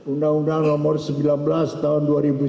undang undang nomor sembilan belas tahun dua ribu sembilan belas